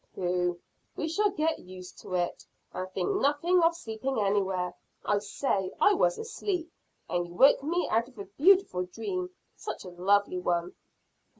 "Pooh! We shall get used to it, and think nothing of sleeping anywhere. I say, I was asleep, and you woke me out of a beautiful dream such a lovely one."